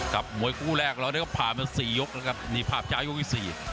กับมวยกู้แรกแล้วนี่ก็ผ่านมาสี่ยกนะครับนี่ผ่านมาช้ายกกว่าอีกสี่